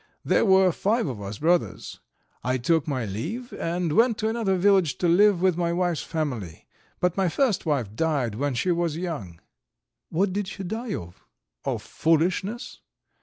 There were five of us brothers. I took my leave and went to another village to live with my wife's family, but my first wife died when she was young." "What did she die of?" "Of foolishness.